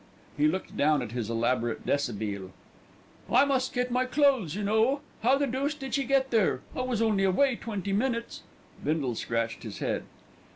He looked down at his elaborate deshabille. "I must get my clothes, you know. How the deuce did she get there? I was only away twenty minutes." Bindle scratched his head.